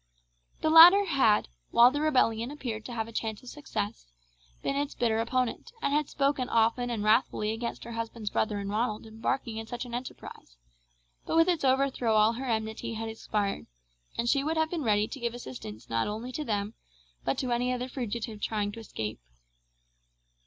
The latter had, while the rebellion appeared to have a chance of success, been its bitter opponent, and had spoken often and wrathfully against her husband's brother and Ronald embarking in such an enterprise; but with its overthrow all her enmity had expired, and she would have been ready to give assistance not only to them, but to any other fugitive trying to escape.